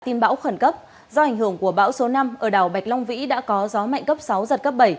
tin bão khẩn cấp do ảnh hưởng của bão số năm ở đảo bạch long vĩ đã có gió mạnh cấp sáu giật cấp bảy